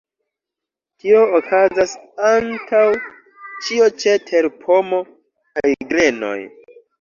Tio okazas antaŭ ĉio ĉe terpomo kaj grenoj.